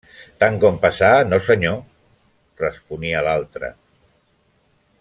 -Tant com passar, no senyor…- responia l'altre.